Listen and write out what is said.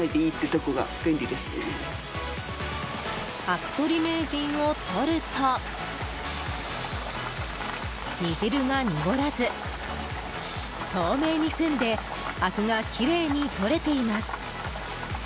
アク取り名人を取ると煮汁が濁らず透明に澄んでアクが綺麗に取れています。